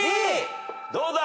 どうだ？